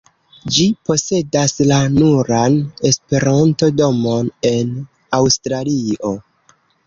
Ĝi posedas la nuran Esperanto-domon en Aŭstralio.